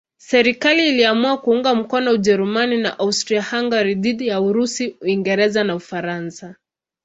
Serikali iliamua kuunga mkono Ujerumani na Austria-Hungaria dhidi ya Urusi, Uingereza na Ufaransa.